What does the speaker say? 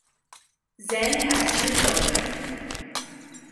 Zen has two children.